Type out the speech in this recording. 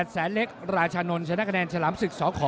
๘แสนเล็กราชนลชนะคะแนนฉลามศึกสอขอ